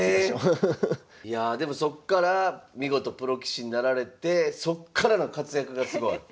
いやあでもそっから見事プロ棋士になられてそっからの活躍がすごい。